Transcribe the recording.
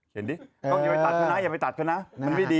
กลับทางนี้